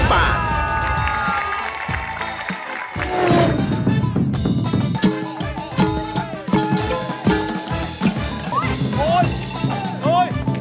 สะพื้นสะพื้นโอ้ย